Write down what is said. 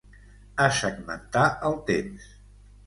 A segmentar el temps.